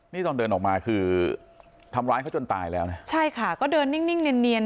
นี่ตอนเดินออกมาคือทำร้ายเขาจนตายแล้วนะใช่ค่ะก็เดินนิ่งเนียน